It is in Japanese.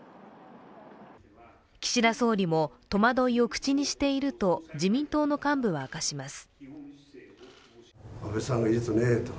岸田総理も戸惑いを口にしていると自民党の幹部は明かします。